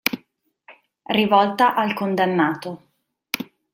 Rivolta al condannato.